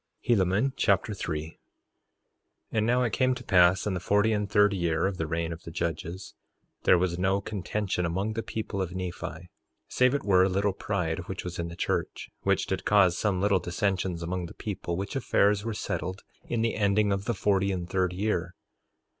Helaman Chapter 3 3:1 And now it came to pass in the forty and third year of the reign of the judges, there was no contention among the people of Nephi save it were a little pride which was in the church, which did cause some little dissensions among the people, which affairs were settled in the ending of the forty and third year.